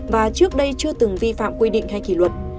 và trước đây chưa từng vi phạm quy định hay kỷ luật